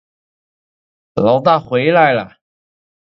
牢大回来了